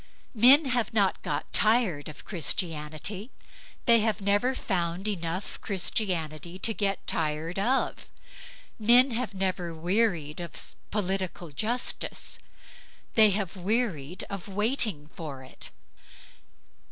Men have not got tired of Christianity; they have never found enough Christianity to get tired of. Men have never wearied of political justice; they have wearied of waiting for it.